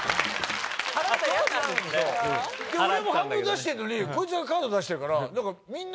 俺も半分出してんのにこいつがカード出してるから何かみんな。